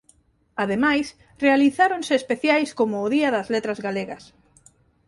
Ademais realizáronse especiais como o do Día das letras galegas.